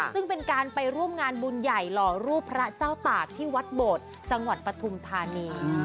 ซึ่งเป็นการไปร่วมงานบุญใหญ่หล่อรูปพระเจ้าตากที่วัดโบดจังหวัดปฐุมธานี